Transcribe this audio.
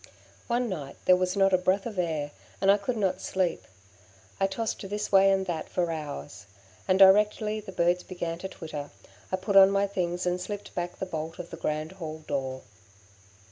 One night there was not a breath of air, and I could not sleep. I tossed this way and that for hours, and directly the birds began to twitter, I put on my things and slipped back the bolt of the grand hall door.